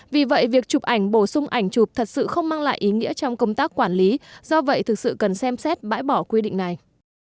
vì vậy việc chụp ảnh bổ sung ảnh chụp thật sự không mang lại ý nghĩa trong công tác quản lý do vậy thực sự cần xem xét bãi bỏ quy định này